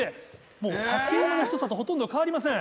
もう竹馬の太さとほとんど変わりません。